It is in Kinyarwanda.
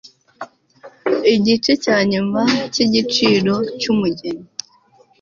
igice cyanyuma cyigiciro cyumugeni